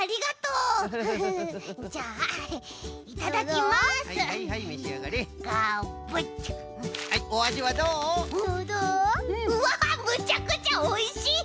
うわむちゃくちゃおいしい！